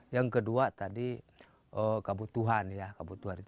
yang kedua tadi kebutuhan ya kebutuhan jahat